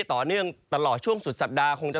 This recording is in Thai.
ต่อเนื่องตลอดช่วงสุดสัปดาห์คงจะ